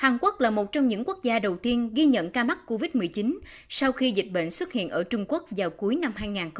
hàn quốc là một trong những quốc gia đầu tiên ghi nhận ca mắc covid một mươi chín sau khi dịch bệnh xuất hiện ở trung quốc vào cuối năm hai nghìn hai mươi